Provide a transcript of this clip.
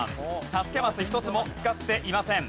助けマス一つも使っていません。